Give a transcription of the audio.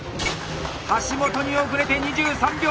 橋本に遅れて２３秒！